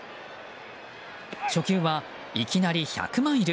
初球はいきなり１００マイル